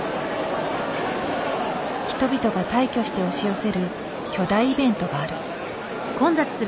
人々が大挙して押し寄せる巨大イベントがある。